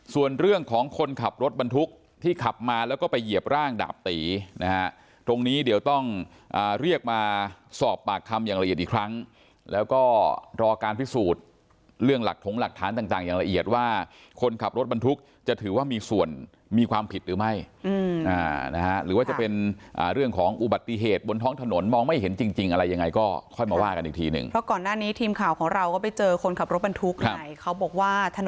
ส่วนเรื่องของคนขับรถบรรทุกที่ขับมาแล้วก็ไปเหยียบร่างดาบตีตรงนี้เดี๋ยวต้องเรียกมาสอบปากคำอย่างละเอียดอีกครั้งแล้วก็รอการพิสูจน์เรื่องหลักฐานต่างอย่างละเอียดว่าคนขับรถบรรทุกจะถือว่ามีส่วนมีความผิดหรือไม่หรือว่าจะเป็นเรื่องของอุบัติเหตุบนท้องถนนมองไม่เห็นจริงอะไรยังไงก็ค่อยมาว